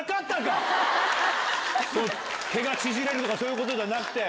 毛が縮れる？とかそういうことじゃなくて。